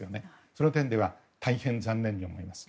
その点では大変、残念に思います。